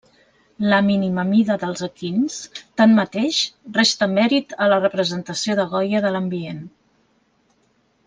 La mínima mida dels equins, tanmateix, resta mèrit a la representació de Goya de l'ambient.